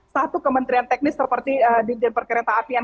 satu kementrian teknis seperti di jepang kereta apian